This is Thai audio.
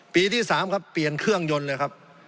ปีที่๓ครับเปลี่ยนเครื่องยนต์เลยครับ